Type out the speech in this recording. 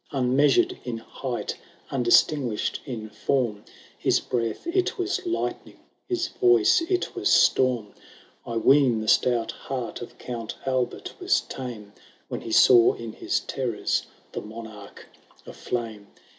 Unmeasured in height, undistinguished in form, His breath it was lightning, his voice it was storm ; I ween the stout heart of Count Albert was tame, When he saw in his terrors the Monarch of Flame.